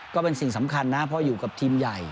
ก็เป็นสิ่งสำคัญนะเพราะอยู่กับทีมใหญ่